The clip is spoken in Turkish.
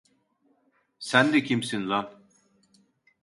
Sen de kimsin lan?